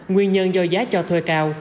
nguyên nhân do giá cho thuê cao